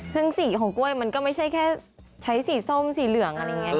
ซึ่งสีของกล้วยมันก็ไม่ใช่แค่ใช้สีส้มสีเหลืองอะไรอย่างนี้